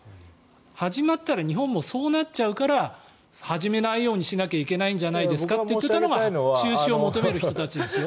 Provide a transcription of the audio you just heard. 始まったら日本もそうなっちゃうから始めないようにしなきゃいけないんじゃないですかと言っていたのが中止を求める人たちですよ。